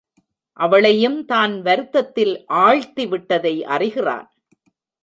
அவளையும் தான் வருத்தத்தில் ஆழ்த்தி விட்டதை அறிகிறான்.